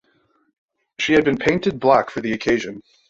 She had been painted black for the occasion.